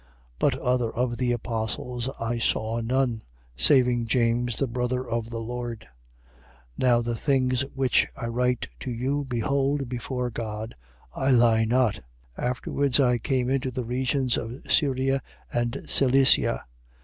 1:19. But other of the apostles I saw none, saving James the brother of the Lord. 1:20. Now the things which I write to you, behold, before God, I lie not. 1:21. Afterwards, I came into the regions of Syria and Cilicia.